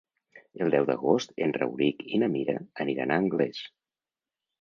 El deu d'agost en Rauric i na Mira aniran a Anglès.